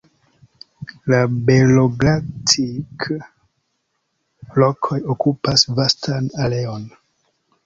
La Belogradĉik-rokoj okupas vastan areon.